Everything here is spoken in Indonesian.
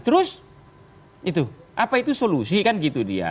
terus itu apa itu solusi kan gitu dia